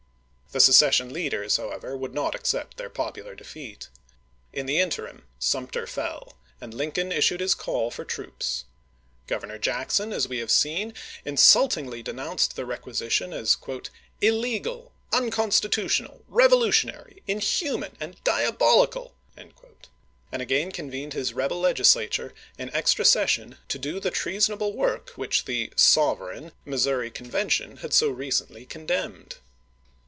The secession leaders, how ever, would not accept their popular defeat. In the interim Sumter fell, and Lincoln issued his call for troops. Governor Jackson, as we have seen, in 208 ABEAHAM LINCOLN Chap. XI. sultingly denounced the requisition as "illegal, unconstitutional, revolutionary, inhuman, and dia bolical," and again convened his rebel Legislature in extra session to do the treasonable work which the " sovereign " Missouri Convention had so re cently condemned.